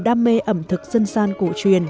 đam mê ẩm thực dân san cổ truyền